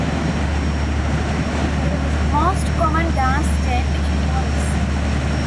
This is the most common dance step in the waltz.